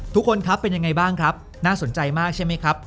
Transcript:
ทุกคนครับเป็นยังไงบ้างครับน่าสนใจมากใช่ไหมครับ